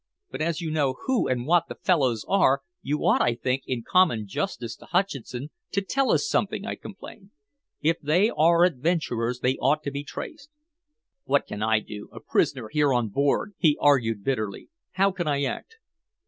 "But as you know who and what the fellows are, you ought, I think, in common justice to Hutcheson, to tell us something," I complained. "If they are adventurers, they ought to be traced." "What can I do a prisoner here on board?" he argued bitterly. "How can I act?"